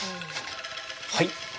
はい。